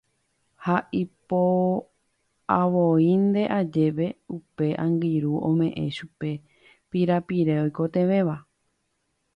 Ha ipo'avoínte ajeve upe angirũ ome'ẽ chupe pirapire oikotevẽva